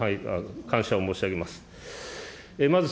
感謝を申し上げます。